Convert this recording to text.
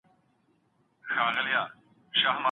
ښایي ډېر لوړ ږغ پاڼه ړنګه کړي.